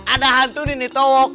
ada hantu ini tau